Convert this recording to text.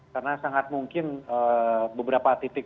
karena sangat mungkin beberapa titik